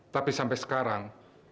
tapi sampai sekarang